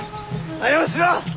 早うしろ！